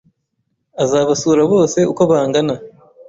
Azabasura bose uko bangana